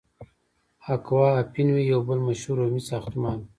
اکوا اپین وی یو بل مشهور رومي ساختمان و.